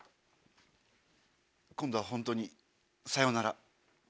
今度はホントにさようなら。